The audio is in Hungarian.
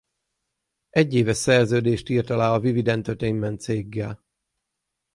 Egyéves szerződést írt alá a Vivid Entertainment céggel.